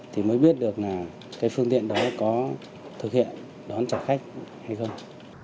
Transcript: thì mới biết được là cái phương tiện đó có thực hiện đón trả khách hay không